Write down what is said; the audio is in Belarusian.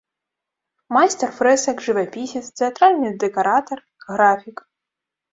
Майстар фрэсак, жывапісец, тэатральны дэкаратар, графік.